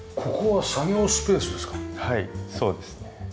はいそうですね。